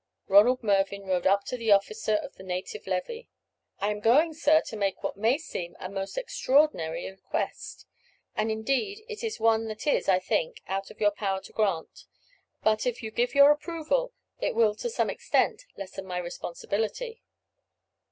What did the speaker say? Ronald Mervyn rode up to the officer of the native levy. "I am going, sir, to make what may seem a most extraordinary request, and indeed it is one that is, I think, out of your power to grant; but, if you give your approval, it will to some extent lessen my responsibility."